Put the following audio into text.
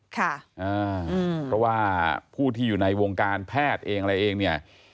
เพราะว่าผู้ที่อยู่ในวงการแพทย์เองอะไรเองเนี่ย